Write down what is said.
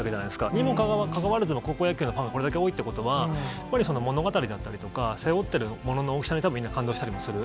にもかかわらず、高校野球のファンがこれだけ多いということは、やっぱり物語だったりとか、背負っているものの大きさに、みんな感動したりもする。